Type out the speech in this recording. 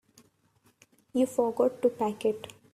You forgot to pack it.